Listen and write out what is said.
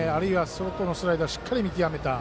外のスライダーをしっかり見極めた。